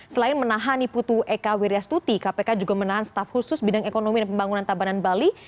selain menahan iputu eka wiryastuti kpk juga menahan staf khusus bidang ekonomi dan pembangunan tabanan bali